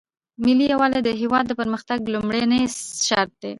ملي یووالی د هیواد د پرمختګ لومړنی شرط دی.